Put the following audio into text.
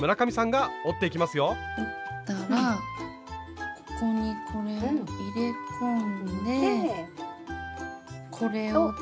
折ったらここにこれを入れ込んでこれを倒して。